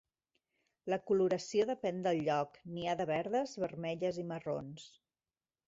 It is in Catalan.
La coloració depèn del lloc: n'hi ha de verdes, vermelles i marrons.